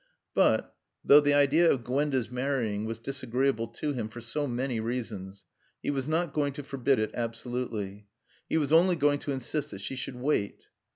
But, though the idea of Gwenda's marrying was disagreeable to him for so many reasons, he was not going to forbid it absolutely. He was only going to insist that she should wait.